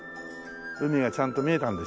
海がちゃんと見えたんでしょう。